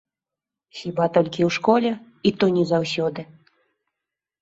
Хіба толькі ў школе, і то не заўсёды.